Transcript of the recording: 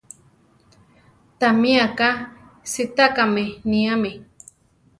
Tamí aka sitákame níame.